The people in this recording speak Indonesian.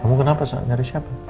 kamu kenapa nari siapa